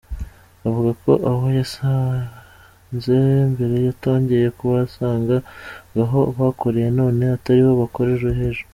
Avuga ko aho yabasanze mbere atongeye kubahasanga ngo aho bakoreye none atariho bakorera ejo.